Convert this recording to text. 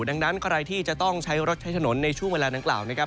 ดังนั้นใครที่จะต้องใช้รถใช้ถนนในช่วงเวลาดังกล่าวนะครับ